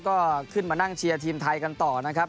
ก็ขึ้นมานั่งเชียร์ทีมไทยกันต่อนะครับ